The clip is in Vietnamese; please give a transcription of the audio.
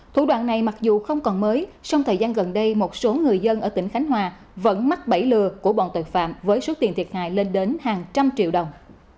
thủ đoạn này mặc dù không còn mới song thời gian gần đây một số người dân ở tỉnh khánh hòa vẫn mắc bẫy lừa của bọn tội phạm với số tiền thiệt hại lên đến hàng trăm triệu đồng